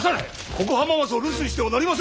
ここ浜松を留守にしてはなりませぬ！